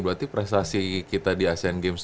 berarti prestasi kita di asean games